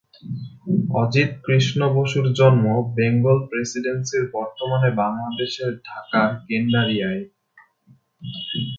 অজিত কৃষ্ণ বসুর জন্ম বেঙ্গল প্রেসিডেন্সির বর্তমানে বাংলাদেশের ঢাকার গেন্ডারিয়ায়।